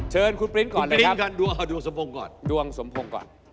เชิญคุณปริ้นก่อนเลยครับดวงสมพงศ์ก่อน